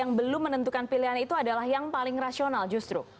yang belum menentukan pilihan itu adalah yang paling rasional justru